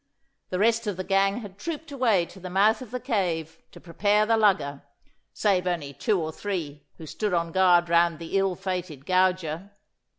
The rest of the gang had trooped away to the mouth of the cave to prepare the lugger, save only two or three who stood on guard round the ill fated gauger.